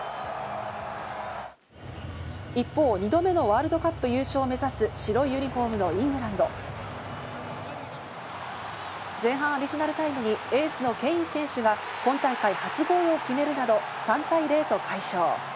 一方、２度目のワールドカップ優勝を目指す、白いユニホームのイングランド。前半アディショナルタイムにエースのケイン選手が今大会初ゴールを決めるなど３対０と快勝。